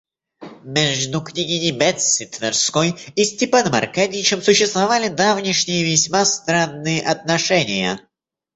Между княгиней Бетси Тверской и Степаном Аркадьичем существовали давнишние, весьма странные отношения.